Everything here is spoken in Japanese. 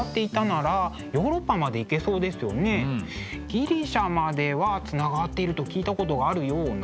ギリシャまではつながっていると聞いたことがあるような。